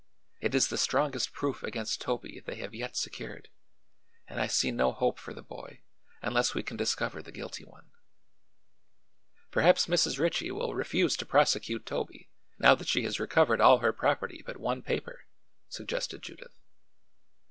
It is the strongest proof against Toby they have yet secured, and I see no hope for the boy unless we can discover the guilty one." "Perhaps Mrs. Ritchie will refuse to prosecute Toby, now that she has recovered all her property but one paper," suggested Judith.